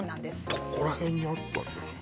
どこら辺にあったんですか？